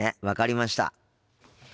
分かりました。